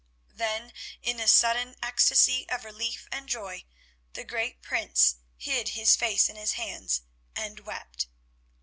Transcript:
Then in the sudden ecstasy of relief and joy, the great Prince hid his face in his hands and wept.